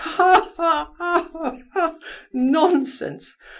Ha, ha, ha! nonsense!